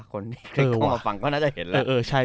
คนที่เข้ามาฟังก็น่าจะเห็นแล้ว